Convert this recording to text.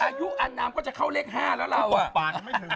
อายุอนามก็จะเข้าเลข๕แล้วเราอ่ะ